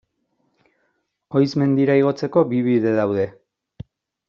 Oiz mendira igotzeko bi bide daude.